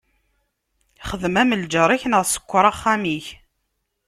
Xdem am lǧaṛ-ik, neɣ sekkeṛ axxam-ik!